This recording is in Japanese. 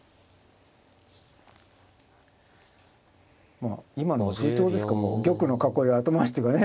まあ今の風潮ですかもう玉の囲いは後回しっていうかね。